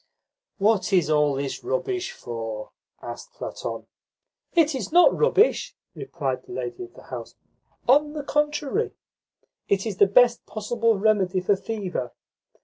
"What is all this rubbish for?" asked Platon. "It is not rubbish," replied the lady of the house. "On the contrary, it is the best possible remedy for fever.